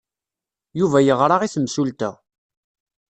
Yuba yeɣra i temsulta.